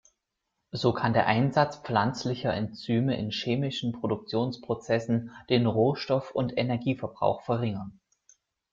So kann der Einsatz pflanzlicher Enzyme in chemischen Produktionsprozessen den Rohstoff- und Energieverbrauch verringern.